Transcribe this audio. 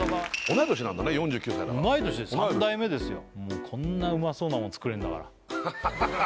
同い年なんだね４９歳だから同い年で３代目ですよもうこんなうまそうなもん作れるんだから鴨